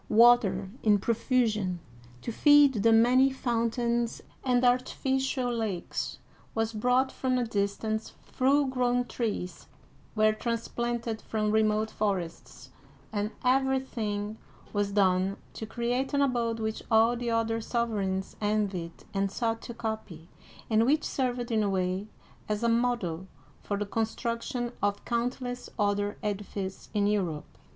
Water in profusion, to feed the many fountains and artificial lakes, was brought from a distance, full grown trees were transplanted from remote forests, and everything was done to create an abode which all the other sovereigns envied and sought to copy, and which uigiTizea Dy vjiOOQlC LOUIS XIV. (1643 1715) 331 served, in a way, as a model for the construction of count less other edifices in Europe.